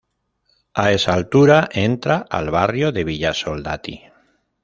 A esa altura entra al barrio de Villa Soldati.